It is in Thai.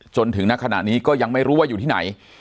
จนถึงณขณะนี้ก็ยังไม่รู้ว่าอยู่ที่ไหน